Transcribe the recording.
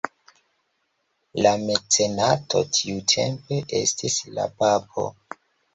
La mecenato tiutempe estis la Papo.